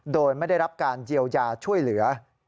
โดยไม่ได้รับการเยียวยาช่วยเหลือ